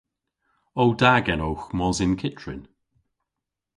O da genowgh mos yn kyttrin?